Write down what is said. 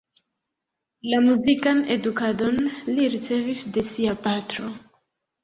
La muzikan edukadon li ricevis de sia patro.